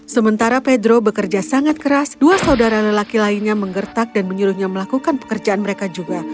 sementara pedro bekerja sangat keras dua saudara lelaki lainnya menggertak dan menyuruhnya melakukan pekerjaan mereka juga